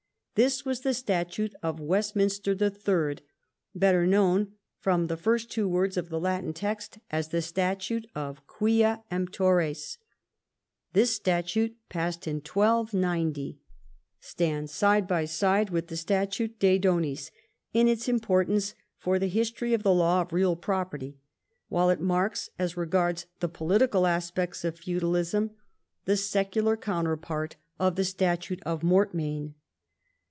This was the Statute of Westminster the Third, better known from the first two words of the Latin text as the Statute Quia Emptores. This law, passed in 1290, stands side by side with the Statute De Bonis in its importance for the history of the law of real property, while it marks, as regards the political aspects of feudalism, the secular 132 EDWARD I chap. counterpart of the Statute of Mortmain.